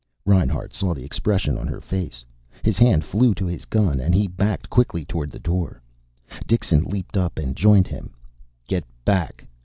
Reinhart saw the expression on her face. His hand flew to his gun and he backed quickly toward the door. Dixon leaped up and joined him. "Get back!"